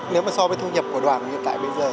nếu mà so với thu nhập của đoàn hiện tại bây giờ